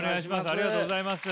ありがとうございます。